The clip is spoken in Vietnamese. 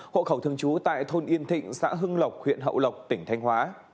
hộ khẩu thường trú tại thôn yên thịnh xã hưng lộc huyện hậu lộc tỉnh thanh hóa